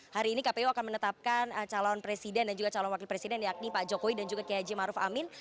hari ini kpu akan menetapkan calon presiden dan juga calon wakil presiden yakni pak jokowi dan juga kiai haji maruf amin